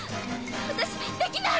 私できない！